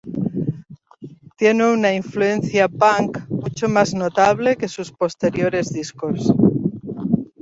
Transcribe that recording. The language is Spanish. Tiene una influencia punk mucho más notable que sus posteriores discos.